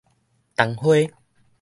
桐花